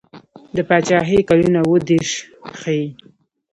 د پاچهي کلونه اووه دېرش ښيي.